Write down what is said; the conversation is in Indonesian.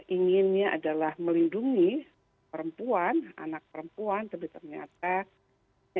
inginnya adalah melindungi perempuan anak perempuan tapi ternyata